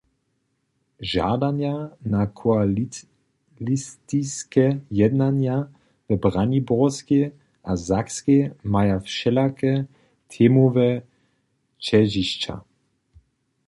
Žadanja na koaliciske jednanja w Braniborskej a Sakskej maja wšelake temowe ćežišća.